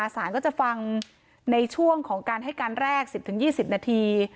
สารก็จะฟังในช่วงของการให้การแรก๑๐๒๐นาที